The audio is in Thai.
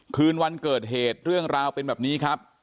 คืนวันเกิดเหตุเรื่องราวเป็นแบบนี้ครับ